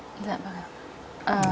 dạ vâng ạ